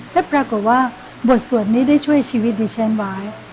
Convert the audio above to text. และปรากฏว่าบทสวดนี้ได้ช่วยชีวิตดิฉันไว้